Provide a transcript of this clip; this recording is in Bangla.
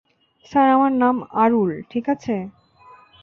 স্যার, আমার নাম আরুল -ঠিক আছে।